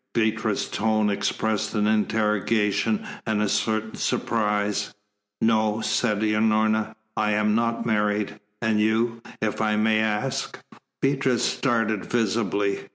Beatrice's tone expressed an interrogation and a certain surprise. "No," said Unorna, "I am not married. And you, if I may ask?" Beatrice started visibly.